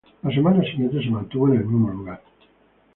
La semana siguiente se mantuvo en el mismo lugar.